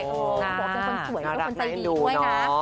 บอกเป็นคนสวยและคนใส่ดีด้วยนะ